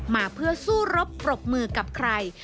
มาเพื่อสู้รบปรบมือกับใคร